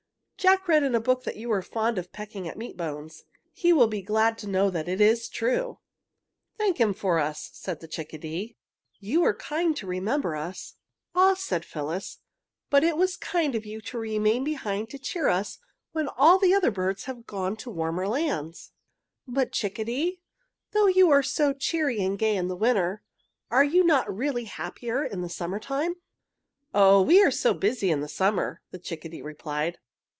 "Jack read in a book that you were fond of pecking at meat bones. He will be glad to know that it is true!" "Thank him for us," said the chickadee. "You were kind to remember us!" "Ah," said Phyllis, "but it was kind of you to remain behind to cheer us when all the other birds have gone to warmer lands. "But, chickadee, though you are so cheery and gay in winter, are you not really happier in the summer time?" "Oh, we are so busy in summer," the chickadee replied.